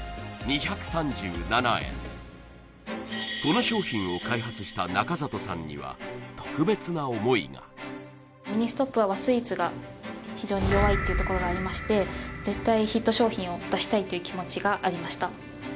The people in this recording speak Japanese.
この商品を開発した中里さんには特別な思いがミニストップは和スイーツが非常に弱いっていうところがありまして絶対ヒット商品を出したいという気持ちがありました